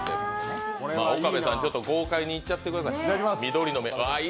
岡部さん、豪快にいっちゃってください。